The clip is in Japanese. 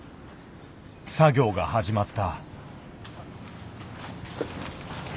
作業が始まった。